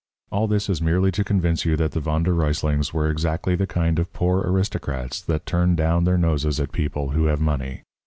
All this is merely to convince you that the Von der Ruyslings were exactly the kind of poor aristocrats that turn down their noses at people who have money.